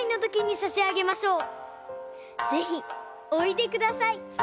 ぜひおいでください。